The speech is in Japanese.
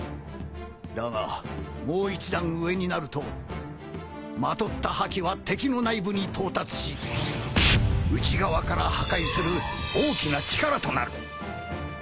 だがもう一段上になるとまとった覇気は敵の内部に到達し内側から破壊する大きな力となる